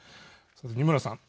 二村さん。